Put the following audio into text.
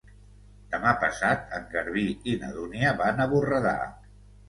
Demà passat en Garbí i na Dúnia van a Borredà.